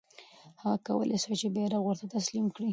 هغه کولای سوای چې بیرغ ورته تسلیم کړي.